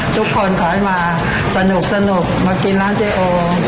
ขอให้มาสนุกมากินร้านเจ๊โอ